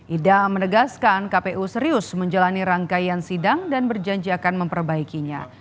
idam menegaskan kpu serius menjalani rangkaian sidang dan berjanjakan memperbaikinya